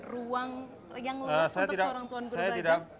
ruang yang luas untuk seorang tuan guru baja